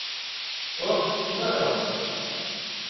Ur aɣ-teṭṭfen ara.